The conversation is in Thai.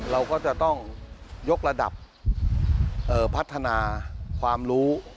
เราก็จะต้องยกระดับพัฒนาความรู้